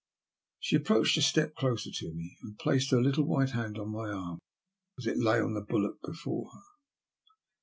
She approached a step closer to me, and placed her little white hand on my arm as it lay on the bulwark before her.